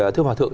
thưa hòa thượng